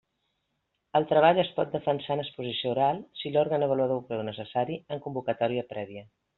El treball es pot defensar en exposició oral, si l'òrgan avaluador ho creu necessari, amb convocatòria prèvia.